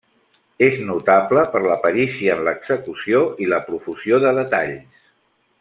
És notable per la perícia en l'execució i la profusió de detalls.